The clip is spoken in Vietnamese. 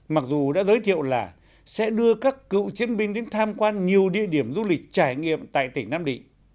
mặc dù đã giới thiệu là sẽ đưa các cựu chiến binh đến tham quan nhiều địa điểm du lịch trải nghiệm tại tỉnh nam định